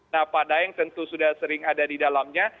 nah pak daeng tentu sudah sering ada di dalamnya